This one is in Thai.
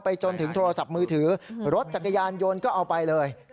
จนถึงโทรศัพท์มือถือรถจักรยานยนต์ก็เอาไปเลย